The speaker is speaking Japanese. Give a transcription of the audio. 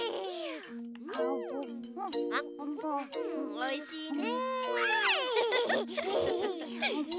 おいしいね！